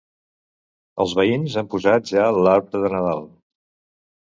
Els veïns han posat ja l'arbre de Nadal.